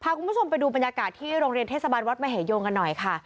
คุณผู้ชมไปดูบรรยากาศที่โรงเรียนเทศบาลวัดมเหยงกันหน่อยค่ะ